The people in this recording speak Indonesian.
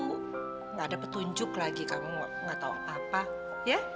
tidak ada petunjuk lagi kamu nggak tahu apa apa ya